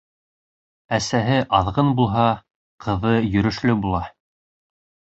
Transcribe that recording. Әсәһе аҙғын булһа, ҡыҙы йөрөшлө була.